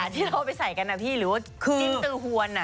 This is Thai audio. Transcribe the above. ที่เราไปใส่กันอ่ะพี่หรือจิ้มตื่นฮวนอ่ะ